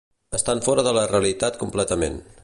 Estan fora de la realitat completament.